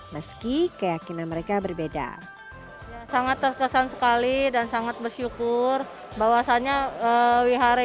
meski keyakinan mereka berbeda sangat terkesan sekali dan sangat bersyukur bahwasannya wihara